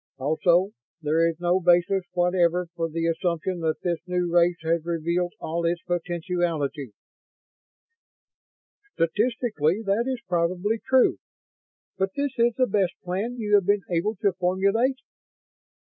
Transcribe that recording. Also, there is no basis whatever for the assumption that this new race has revealed all its potentialities." "Statistically, that is probably true. But this is the best plan you have been able to formulate?"